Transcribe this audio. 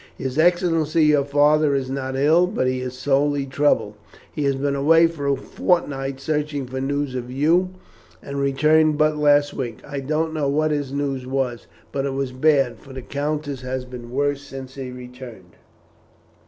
His excellency, your father, is not ill, but he is sorely troubled. He has been away for a fortnight searching for news of you, and returned but last week. I don't know what his news was, but it was bad, for the countess has been worse since he returned."